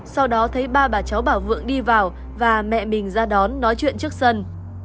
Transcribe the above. sau đó thấy ba bà cháu bảo vượng đi vào và mẹ mình ra đón nói chuyện trước sân